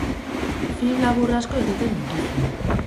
Film labur asko egiten dituzu.